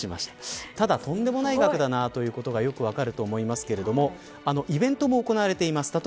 ただとんでもない額だなということがよく分かると思いますけれどもイベントも行われています。